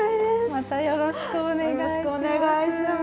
またよろしくお願いします。